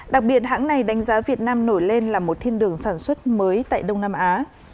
đặc biệt hãng này đánh giá việt nam nổi lên là một thiên đường sản xuất mới tại đông nam á